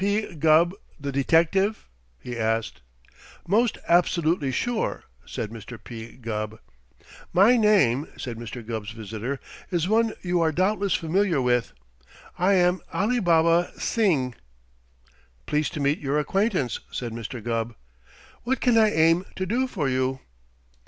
P. Gubb, the detective?" he asked. "Most absolutely sure," said Mr. P. Gubb. "My name," said Mr. Gubb's visitor, "is one you are doubtless familiar with. I am Alibaba Singh." "Pleased to meet your acquaintance," said Mr. Gubb. "What can I aim to do for you?"